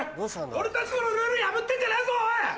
俺たちのルール破ってんじゃねえぞおい！